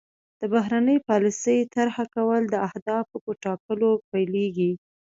د بهرنۍ پالیسۍ طرح کول د اهدافو په ټاکلو پیلیږي